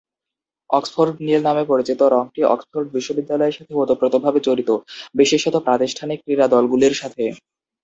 Oxford নীল নামে পরিচিত রঙটি অক্সফোর্ড বিশ্ববিদ্যালয়ের সাথে ওতপ্রোতভাবে জড়িত, বিশেষত প্রাতিষ্ঠানিক ক্রীড়া দলগুলির সাথে।